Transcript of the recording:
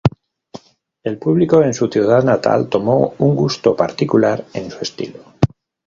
El público en su ciudad natal tomó un gusto particular en su estilo.